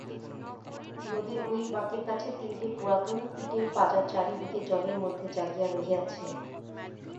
নদীর ঐ বাঁকের কাছে তিনটে পুরাতন ইঁটের পাঁজা চারি দিকে জলের মধ্যে জাগিয়া রহিয়াছে।